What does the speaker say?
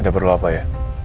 ada perlu apa ya